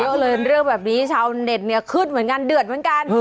เยอะเลยเรื่องแบบนี้ชาวเน็ตเนี่ยขึ้นเหมือนกันเดือดเหมือนกัน